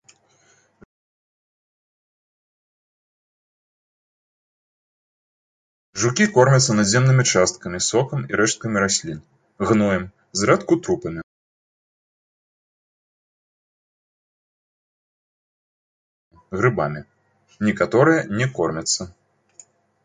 Жукі кормяцца надземнымі часткамі, сокам, рэшткамі раслін, гноем, зрэдку трупамі, грыбамі, некаторыя не кормяцца.